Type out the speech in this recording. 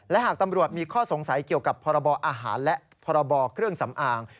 และหากตำรวจมีข้อสงสัยเกี่ยวกับพรบอาหารและพรบเครื่องสำอาง